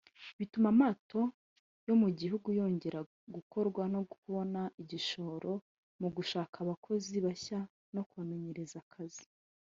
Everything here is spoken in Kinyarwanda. bituma amato yo mu gihugu yongera kugorwa no kubona igishoro mu gushaka abakozi bashya no kubamenyereza akazi